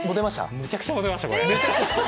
むちゃくちゃモテましたこれ。